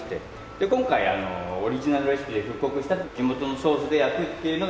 で今回オリジナルレシピで復刻した地元のソースでやってるのが今の。